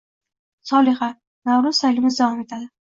Solixa: Navruz saylimiz davom etadi.